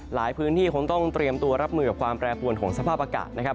หลายพื้นที่คงต้องเตรียมตัวรับมือกับความแปรปวนของสภาพอากาศนะครับ